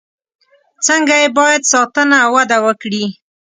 څنګه یې باید ساتنه او وده وکړي.